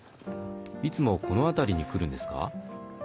いつもこの辺りに来るんですか？